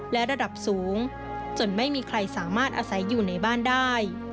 และระดับสูงจนไม่มีใครสามารถอาศัยอยู่ในบ้านได้